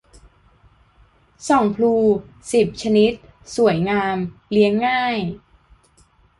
ส่องพลู สิบ ชนิด สวยงาม เลี้ยงง่าย